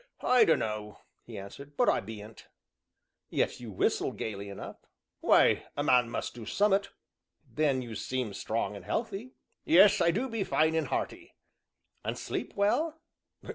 "I dunno," he answered, "but I bean't." "Yet you whistle gayly enough." "Why, a man must do summat." "Then, you seem strong and healthy." "Yes, I do be fine an' hearty." "And sleep well?"